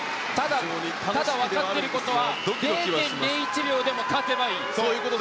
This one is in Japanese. ただ分かっていることは０．０１秒でも勝てばいいです。